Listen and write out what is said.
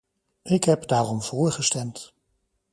Ik heb daarom voorgestemd.